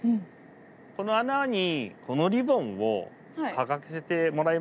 この穴にこのリボンをかざしてもらえますか。